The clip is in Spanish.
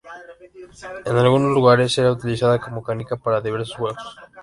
En algunos lugares era utilizada como canica para diversos juegos.